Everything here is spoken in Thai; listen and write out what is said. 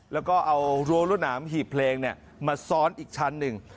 แล้วก็เอารั้วรวดหนามหีบเพลงมาซ้อนอีกชั้นหนึ่ง